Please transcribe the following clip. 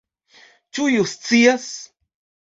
Ĉu iu scias?